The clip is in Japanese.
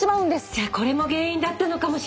じゃこれも原因だったのかもしれない私！